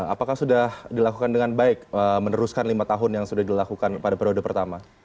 apakah sudah dilakukan dengan baik meneruskan lima tahun yang sudah dilakukan pada periode pertama